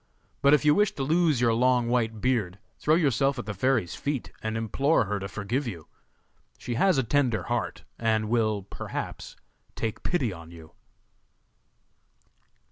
But if you wish to lose your long white beard, throw yourself at the fairy's feet and implore her to forgive you. She has a tender heart, and will, perhaps, take pity on you.